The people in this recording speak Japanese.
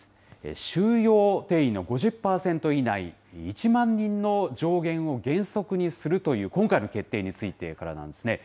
収容定員の５０％以内、１万人の上限を原則にするという、今回の決定についてからなんですね。